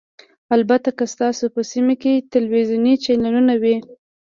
البته که ستاسو په سیمه کې تلویزیوني چینلونه وي